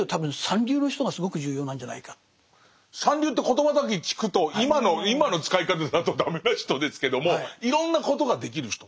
そういう多分「三流」って言葉だけ聞くと今の使い方だと駄目な人ですけどもいろんなことができる人。